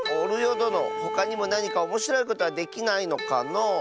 どのほかにもなにかおもしろいことはできないのかのう？